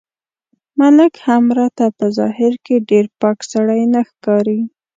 ملک هم راته په ظاهر کې ډېر پاک سړی نه ښکاري.